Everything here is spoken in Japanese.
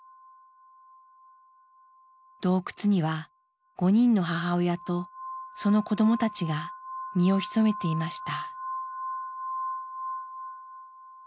洞窟には５人の母親とその子どもたちが身を潜めていました。